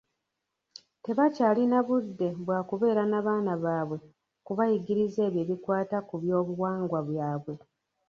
Tebakyalina budde bwakubeera na baana baabwe kubayigiriza ebyo ebikwata ku byobuwanga bwabwe.